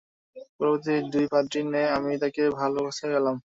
পূর্ববর্তী দুই পাদ্রীর ন্যায় আমি তাকে ভাল অবস্থায় পেলাম।